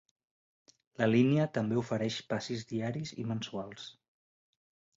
La línia també ofereix passis diaris i mensuals.